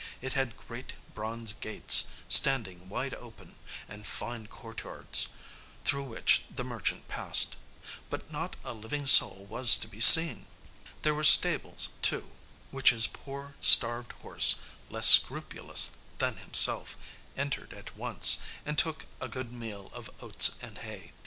It had great bronze gates, standing wide open, and fine court yards, through which the merchant passed; but not a living soul was to be seen. There were stables too, which his poor, starved horse, less scrupulous than himself, entered at once, and took a good meal of oats and hay.